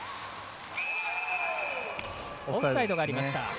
オフサイドがありました。